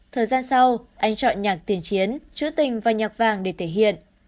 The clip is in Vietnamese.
thời gian sau anh chọn nhạc tiền chiến chữ tình và nhạc vàng để thể hiện